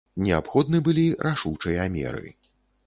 Неабходны былі рашучыя меры.